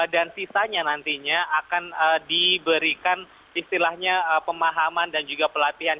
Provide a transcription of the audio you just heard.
dan sisanya nantinya akan diberikan istilahnya pemahaman dan juga pelatihan